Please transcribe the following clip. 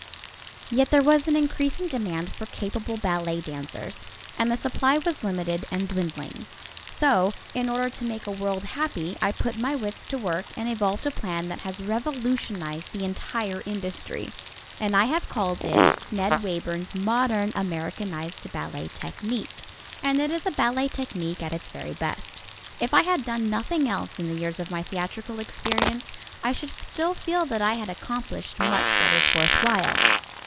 Yet there was an increasing demand for capable ballet dancers, and the supply was limited and dwindling. So, in order to make a world happy, I put my wits to work and evolved a plan that has revolutionized the entire industry. And I have called it Ned Wayburn's Modern Americanized Ballet Technique; and it is a Ballet Technique at its very best. If I had done nothing else in the years of my theatrical experience, I should still feel that I had accomplished much that is worth while.